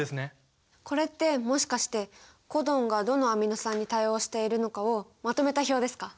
これってもしかしてコドンがどのアミノ酸に対応しているのかをまとめた表ですか？